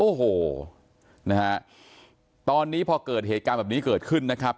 โอ้โหนะฮะตอนนี้พอเกิดเหตุการณ์แบบนี้เกิดขึ้นนะครับ